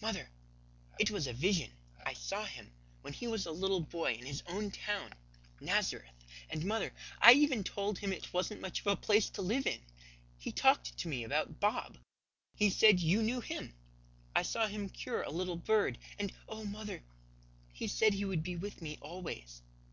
"Mother, it was a vision. I saw Him, when He was a little boy in His own town, Nazareth. And, mother, I even told Him it wasn't much of a place to live in. He talked to me about Bob. He said you knew Him. I saw him cure a little bird. And oh, mother, He said He would be with me always.